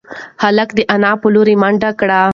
هلک د انا په لور منډه کړه.